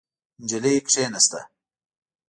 نجلۍ کېناسته.